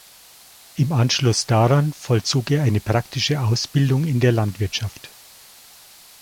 Im Anschluss daran vollzog er eine praktische Ausbildung in der Landwirtschaft.